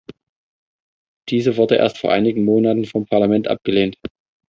Diese wurde erst vor einigen Monaten vom Parlament abgelehnt.